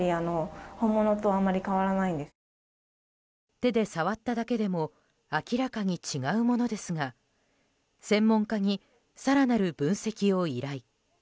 手で触っただけでも明らかに違うものですが専門家に更なる分析を依頼。